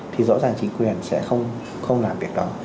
thì rõ ràng chính quyền sẽ không làm việc đó